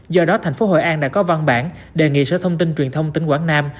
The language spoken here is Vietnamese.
do đó thành phố hội an đã có văn bản đề nghị sở thông tin truyền thông tỉnh quảng nam